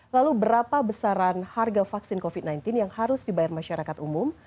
lalu berapa besaran harga vaksin covid sembilan belas yang harus dibayar masyarakat umum